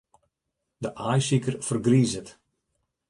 De aaisiker fergrizet.